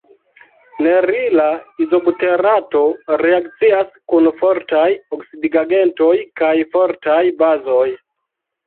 Nerila izobuterato reakcias kun fortaj oksidigagentoj kaj fortaj bazoj.